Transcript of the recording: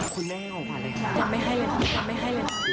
คุณแม่ขอขวัญไหมคะ